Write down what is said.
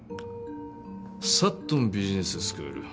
サットンビジネススクール。